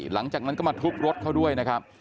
หลังจากนั้นก็มาทุบรถเขาด้วยนะครับ